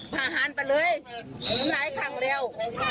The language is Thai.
ภาหารละแล้ว